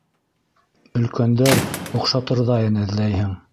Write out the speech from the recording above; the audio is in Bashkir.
Өлкәндәр оҡшатырҙайын эҙләйһең.